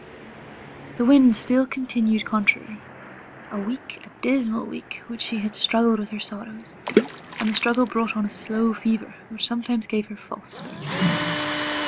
The wind still continued contrary; a week, a dismal week, had she struggled with her sorrows; and the struggle brought on a slow fever, which sometimes gave her false spirits.